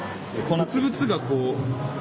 ブツブツがこう。